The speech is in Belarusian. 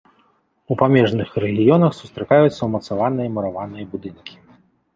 У памежных рэгіёнах сустракаюцца ўмацаваныя мураваныя будынкі.